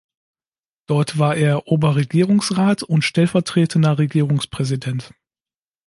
Dort war er Oberregierungsrat und stellvertretender Regierungspräsident.